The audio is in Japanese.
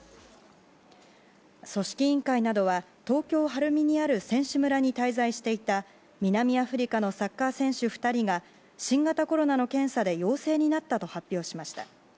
組織委員会などは東京・晴海にある選手村に滞在していた南アフリカのサッカー選手２人が新型コロナの検査で陽性になったと発表しました。